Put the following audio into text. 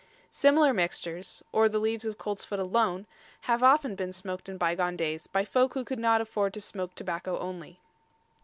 Similar mixtures, or the leaves of coltsfoot alone, have often been smoked in bygone days by folk who could not afford to smoke tobacco only.